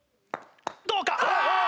どうか？